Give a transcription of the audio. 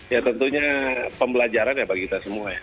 ya tentunya pembelajaran ya bagi kita semua ya